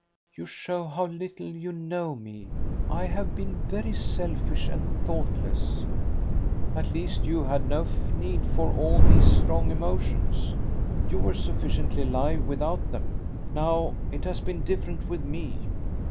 "You show how little you know me. I have been very selfish and thoughtless." "At least you had no need for all these strong emotions. You were sufficiently alive without them. Now it has been different with me."